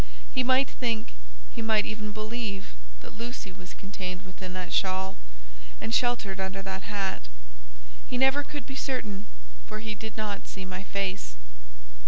He might think, he might even believe that Lucy was contained within that shawl, and sheltered under that hat; he never could be certain, for he did not see my face.